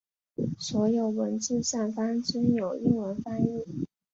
所有文字下方均有英文翻译。